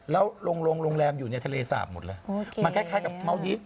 แล้วโรงโรงโรงแรมอยู่ในทะเลสาบหมดแล้วโอเคมันคล้ายคล้ายกับเมาส์ดรีฟ